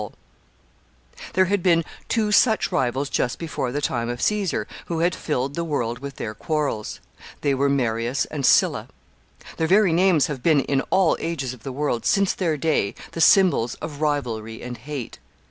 ] There had been two such rivals just before the time of Caesar, who had filled the world with their quarrels. They were Marius and Sylla. Their very names have been, in all ages of the world, since their day, the symbols of rivalry and hate.